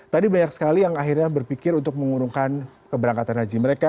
tadi banyak sekali yang akhirnya berpikir untuk mengurungkan keberangkatan haji mereka